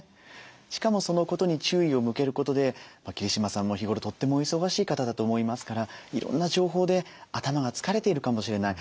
しかもそのことに注意を向けることで桐島さんも日頃とってもお忙しい方だと思いますからいろんな情報で頭が疲れているかもしれない。